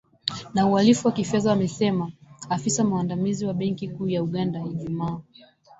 na uhalifu wa kifedha amesema afisa mwandamizi wa benki kuu ya Uganda, Ijumaa